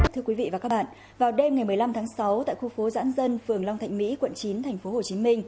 thưa quý vị và các bạn vào đêm ngày một mươi năm tháng sáu tại khu phố giãn dân phường long thạnh mỹ quận chín tp hcm